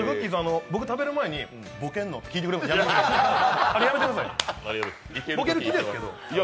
食べる前に「ボケるの？」って聞くのやめてください。